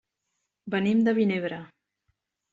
Venim de Vinebre.